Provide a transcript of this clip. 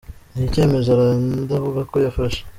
Ni icyemezo Aranda avuga ko yafashe